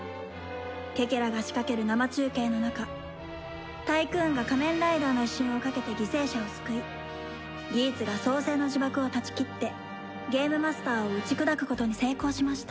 ケケラが仕掛ける生中継の中タイクーンが仮面ライダーの威信をかけて犠牲者を救いギーツが創世の呪縛を断ち切ってゲームマスターを打ち砕くことに成功しました